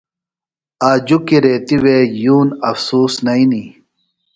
آ جُکیۡ ریتیۡ وے یُون افسوس نئینیۡ۔